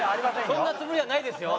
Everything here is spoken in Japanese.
そんなつもりはないですよ。